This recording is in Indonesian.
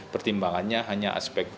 pertimbangannya hanya aspek